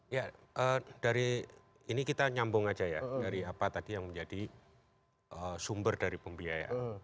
ya dari ini kita nyambung aja ya dari apa tadi yang menjadi sumber dari pembiayaan